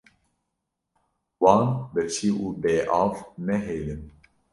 Wan birçî û bêav nehêlin.